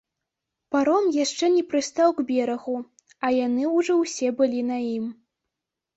Паром яшчэ не прыстаў к берагу, а яны ўжо ўсе былі на ім.